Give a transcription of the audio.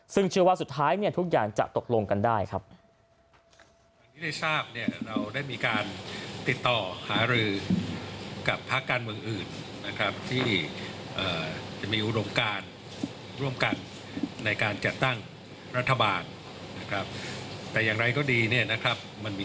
ซึ่งเชื่อว่าสุดท้ายทุกอย่างจะตกลงกันได้ครับ